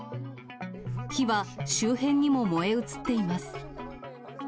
火は周辺にも燃え移っています。